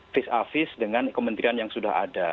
fis a fis dengan kementerian yang sudah ada